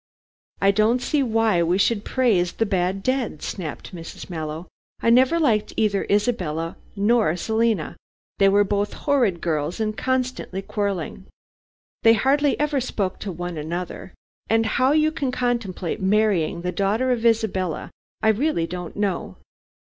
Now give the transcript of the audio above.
"I don't see why we should praise the bad dead," snapped Mrs. Mallow. "I never liked either Isabella nor Selina. They were both horrid girls and constantly quarrelling. They hardly ever spoke to one another, and how you can contemplate marrying the daughter of Isabella, I really don't know.